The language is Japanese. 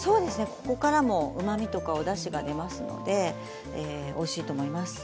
ここから、うまみやおだしが出ますのでおいしいと思います。